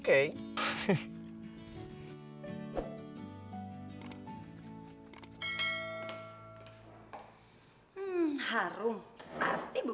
kalo di meja saya ah